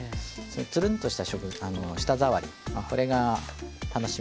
つるんとした舌触りそれが楽しめます。